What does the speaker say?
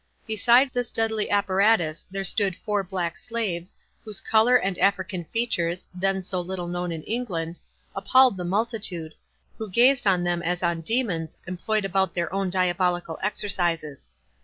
Beside this deadly apparatus stood four black slaves, whose colour and African features, then so little known in England, appalled the multitude, who gazed on them as on demons employed about their own diabolical exercises.